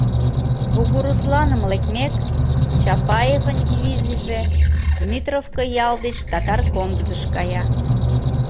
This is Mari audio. Бугурусланым лекмек, Чапаевын дивизийже Дмитровко ял деч Татар Кондызыш кая.